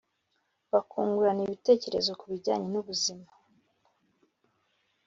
Bakungurana ibitekerezo ku bijyanye n’ubuzima